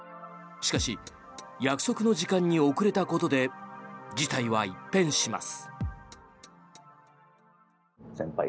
しかし約束の時間に遅れたことで事態は一変します。